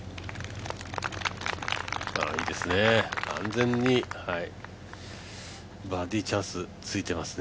いいですね、安全にバーディーチャンスついてますね。